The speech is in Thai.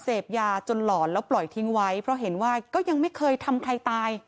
เสพยาจนหลอนแล้วปล่อยทิ้งไว้เพราะเห็นว่าก็ยังไม่เคยทำใครตาย